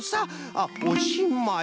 あっおしまい」。